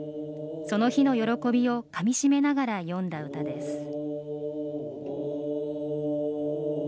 その日の喜びをかみしめながら詠んだ歌です。